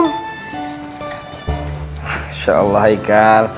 masya allah ika